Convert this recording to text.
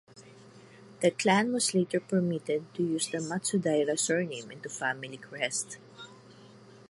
The clan was later permitted to use the "Matsudaira" surname and to family crest.